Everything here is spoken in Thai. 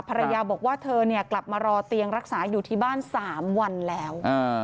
ภรรยาบอกว่าเธอกลับมารอเตียงรักษาอยู่ที่บ้าน๓วันแล้ว